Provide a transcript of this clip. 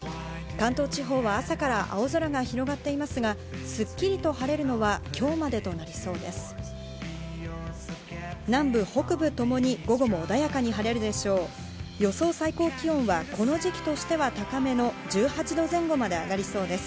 関東地方は朝から青空が広がっていますが、すっきりと晴れるのは今日までとなりそうです。